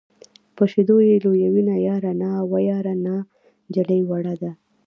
په شیدو یې لویوینه یاره نا وه یاره نا نجلۍ وړه ده.